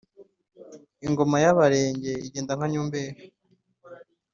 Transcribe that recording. ingoma y’abarenge igenda nka nyomberi